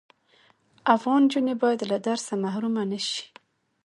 افغان انجوني بايد له درس محرومه نشی